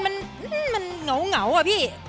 มันเหงาอะพี่